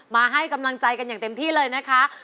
มาให้กำลังใจกันอย่างเต็มที่เลยนะคะ